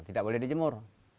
tidak boleh dijemur